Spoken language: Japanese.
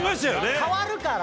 変わるから。